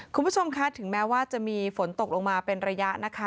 คุณผู้ชมคะถึงแม้ว่าจะมีฝนตกลงมาเป็นระยะนะคะ